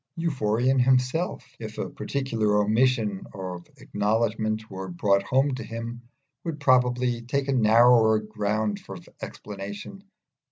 Euphorion himself, if a particular omission of acknowledgment were brought home to him, would probably take a narrower ground of explanation.